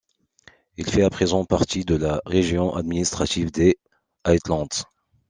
Il fait à présent parties de la région administrative des Highlands.